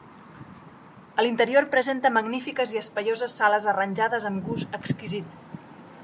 A l'interior presenta magnífiques i espaioses sales arranjades amb gust exquisit.